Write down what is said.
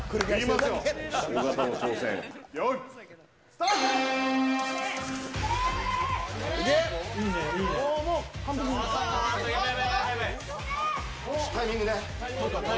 タイミングね。